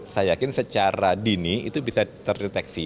saya yakin secara dini itu bisa terdeteksi